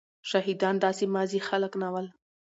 شهيدان داسي ماځي خلک نه ول.